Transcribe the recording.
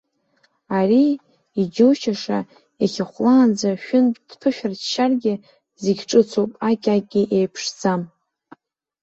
Ари, иџьоушьаша, иахьахәлаанӡа шәынтә дԥышәырччаргьы, зегьы ҿыцуп, аки-аки еиԥшӡам.